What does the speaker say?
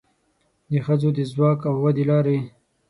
د ښځو د ځواک او ودې لارې